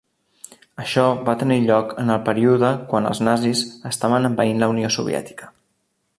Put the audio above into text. Això va tenir lloc en el període quan els nazis estaven envaint la Unió Soviètica.